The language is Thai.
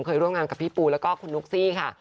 เคยร่วมงานกับพี่ปูแล้วก็คุณนุ๊กซี่ค่ะ